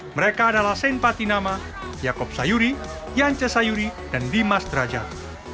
mereka adalah sen patinama jakob sayuri yance sayuri dan dimas drajat